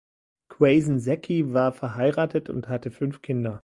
Quaison-Sackey war verheiratet und hatte fünf Kinder.